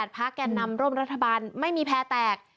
พักแก่นำร่วมรัฐบาลไม่มีแพ้แตก